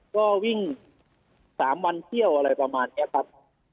ก็วิ่ง๓วันเที่ยวอะไรประมาณนี้ครับ